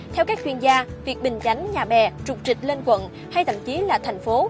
theo các chuyên gia việc bình chánh nhà bè trục trịch lên quận hay thậm chí là thành phố